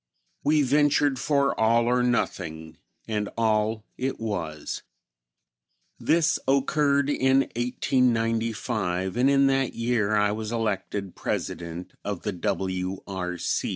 We ventured for all or nothing and all it was. This occurred in 1895, and in that year I was elected President of the W. R.